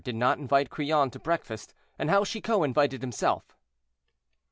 DID NOT INVITE CRILLON TO BREAKFAST, AND HOW CHICOT INVITED HIMSELF.